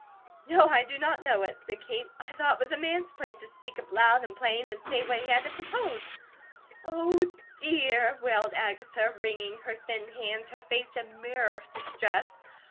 "No, I do not know it!" said Kate. "I thought it was a man's place to speak up loud and plain and say what he had to propose." "Oh, dear!" wailed Agatha, wringing her thin hands, her face a mirror of distress.